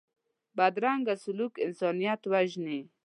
بدرنګه سلوک انسانیت وژني